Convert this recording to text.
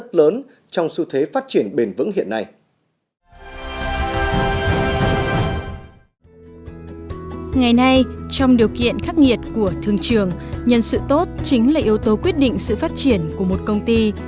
chính là yếu tố quyết định sự phát triển của một công ty